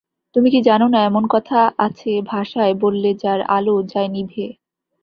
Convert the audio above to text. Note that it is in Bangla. তুমি কি জান না এমন কথা আছে ভাষায় বললে যার আলো যায় নিভে।